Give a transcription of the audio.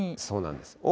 そうなんです。